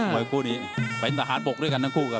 วยคู่นี้เป็นทหารบกด้วยกันทั้งคู่ครับ